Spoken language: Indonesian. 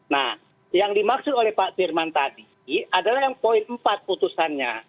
nah yang dimaksud oleh pak firman tadi adalah yang poin empat putusannya